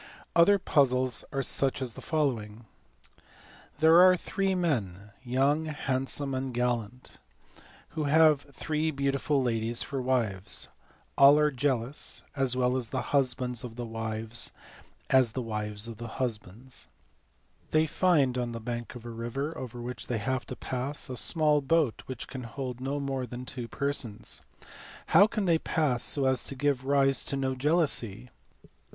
Other pn/xles are such as t he following. "There are three men, young, handsome, ami gullant, who have 224 THE MATHEMATICS OF THE RENAISSANCE. three beautiful ladies for wives: all are jealous, as well the husbands of the wives as the wives of the husbands. They find on the bank of a river, over which they have to pass, a small boat which can hold no more than two persons. How can they pass so as to give rise to no jealousy?"